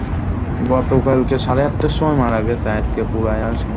কিছু কিছু গ্যাসকে অবশ্য স্পর্শ করা যায়।